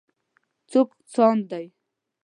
څوک هڅاند دی.